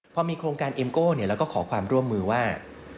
พอมีโครงการเอ็มโก้เราก็ขอความร่วมมือว่า